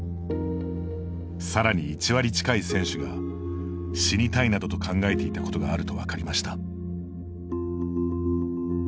さらに、１割近い選手が「死にたい」などと考えていたことがあると分かりました。